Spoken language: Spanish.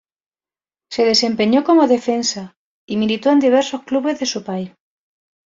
Se desempeñó como defensa y militó en diversos clubes de su país.